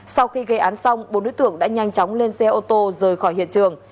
sau khi gây án xong bốn đối tượng đã nhanh chóng lên xe ô tô rời khỏi hiện trường